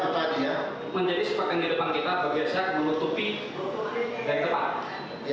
patrick menjadi sepakat di depan kita bekerjasama dengan tupi yang tepat